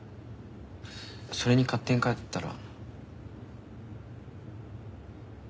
それに勝手に帰ったら。